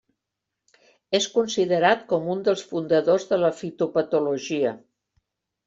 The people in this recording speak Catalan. És considerat com un dels fundadors de la fitopatologia.